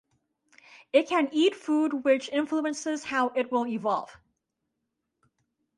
It can eat food which influences how it will evolve.